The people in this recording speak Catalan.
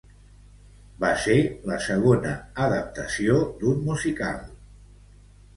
Va ser la segona adaptació d'un musical.